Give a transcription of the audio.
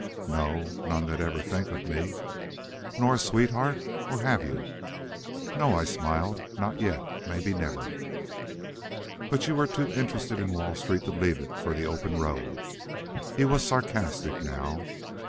"No. None that ever think of me." "Nor a sweetheart. Or have you?" "No," I smiled. "Not yet. Maybe never." "But you are too interested in Wall Street to leave it for the open road?" He was sarcastic now.